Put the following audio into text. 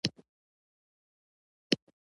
اماني دوره د لنډ مهاله مشروطیت مبارزې وه.